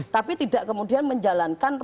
tapi tidak kemudian menjalankan